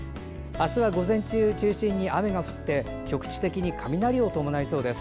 明日は午前中を中心に雨が降って局地的に雷を伴いそうです。